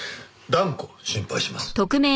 断固心配します。